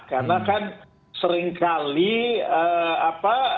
karena kan seringkali apa